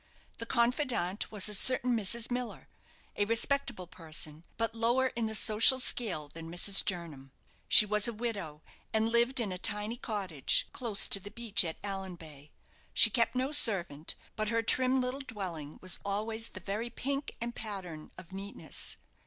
The confidante was a certain Mrs. Miller, a respectable person, but lower in the social scale than Mrs. Jernam. She was a widow, and lived in a tiny cottage, close to the beach at Allanbay; she kept no servant, but her trim little dwelling was always the very pink and pattern of neatness.